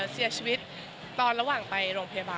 เสียชีวิตตอนระหว่างไปโรงพยาบาล